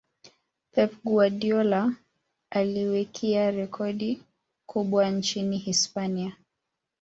pep guardiola aliwekia rekodi kubwa nchini hispania